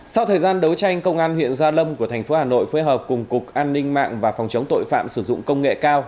sau thời gian đấu tranh công an huyện gia lâm của thành phố hà nội phối hợp cùng cục an ninh mạng và phòng chống tội phạm sử dụng công nghệ cao